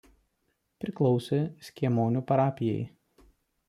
Priklausė Skiemonių parapijai.